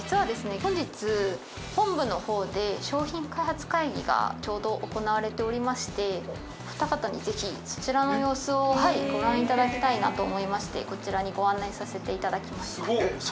本日本部の方で商品開発会議がちょうど行われておりましてお二方にぜひそちらの様子をご覧頂きたいなと思いましてこちらにご案内させて頂きました。